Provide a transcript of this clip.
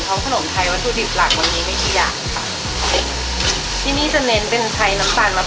เพราะขนมไทยวัตถุดิบหลักวันนี้ไม่ใช่อย่างที่นี่จะเน้นเป็นไทยน้ำตาลมะพร้าวแท้นะคะ